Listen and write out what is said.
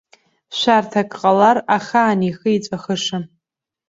Шәарҭак ҟалар, ахаан ихы иҵәахышам.